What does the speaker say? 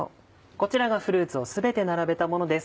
こちらがフルーツを全て並べたものです。